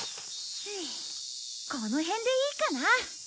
この辺でいいかな？